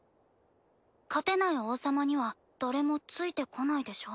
勝てない王様には誰もついてこないでしょ？